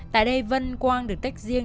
tại đây vân quang được tách riêng